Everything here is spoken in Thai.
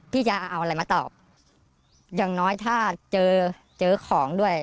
จะเอาอะไรมาตอบอย่างน้อยถ้าเจอเจอของด้วย